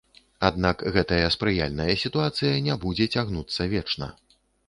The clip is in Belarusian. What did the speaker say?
Аднак гэтая спрыяльная сітуацыя не будзе цягнуцца вечна.